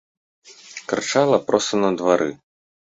Крычала проста на двары.